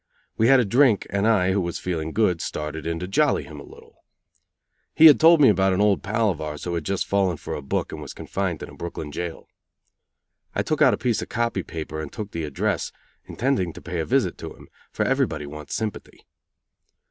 We had a drink, and I, who was feeling good, started in to jolly him a little. He had told me about an old pal of ours who had just fallen for a book and was confined in a Brooklyn jail. I took out a piece of "copy" paper and took the address, intending to pay a visit to him, for everybody wants sympathy.